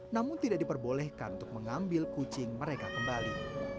namun tidak diperbolehkan untuk mengambil kucing mereka kembali